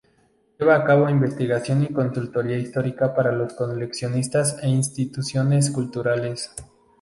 Lleva a cabo investigación y consultoría histórica para los coleccionistas e instituciones culturales.